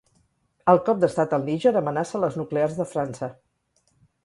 el cop d'estat al Níger amenaça les nuclears de França